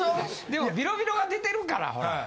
でもビロビロが出てるからほら。